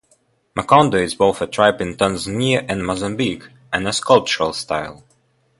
Makonde is both a tribe in Tanzania and Mozambique and a sculptural style.